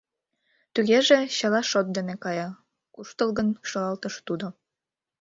Тугеже чыла шот дене кая, — куштылгын шӱлалтыш тудо.